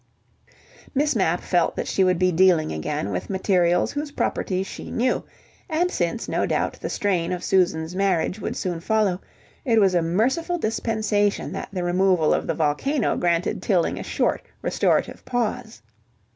Miss Mapp felt that she would be dealing again with materials whose properties she knew, and since, no doubt, the strain of Susan's marriage would soon follow, it was a merciful dispensation that the removal of the volcano granted Tilling a short restorative pause.